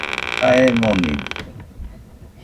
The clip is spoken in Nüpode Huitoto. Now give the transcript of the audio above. Jae monidɨkue